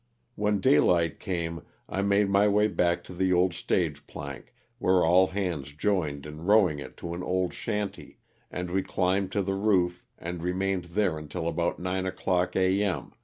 When daylight came I made my way back to the old stage plank, where all hands joined in row ing it to an old shanty and we climbed to the roof and remained there until about nine o'clock a. m.